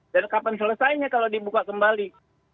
dan kapan selesainya kalau dibuka kembali